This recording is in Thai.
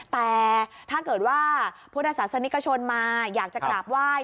แต่ถ้าเกิดว่าพุทธศาสนิกชนมาอยากจะกราบไหว้